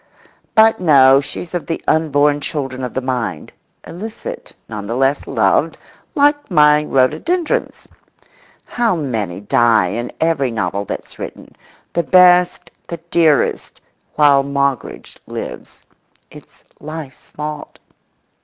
But no; she's of the unborn children of the mind, illicit, none the less loved, like my rhododendrons. How many die in every novel that's written—the best, the dearest, while Moggridge lives. It's life's fault.